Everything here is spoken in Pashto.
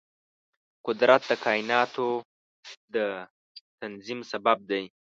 قدرت د کایناتو د تنظیم سبب دی.